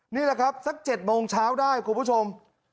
นี่แหละครับสัก๗โมงเช้าได้คุณผู้ชม